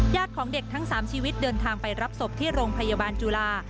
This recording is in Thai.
ของเด็กทั้ง๓ชีวิตเดินทางไปรับศพที่โรงพยาบาลจุฬา